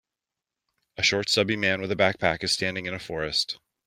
A short stubby man with a backpack is standing in a forest